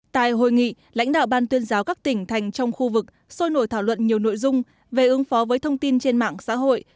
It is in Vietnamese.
tại hội nghị lãnh đạo ban tuyên giáo các tỉnh thành trong khu vực sôi nổi thảo luận nhiều nội dung về ứng phó với thông tin trên mạng xã hội